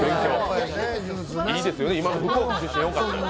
いいですよね、今の福岡出身、よかった。